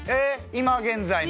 今現在も？